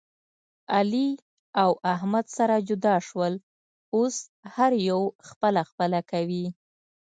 علي او احمد سره جدا شول. اوس هر یو خپله خپله کوي.